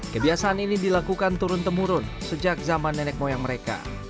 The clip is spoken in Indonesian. kebiasaan ini dilakukan turun temurun sejak zaman nenek moyang mereka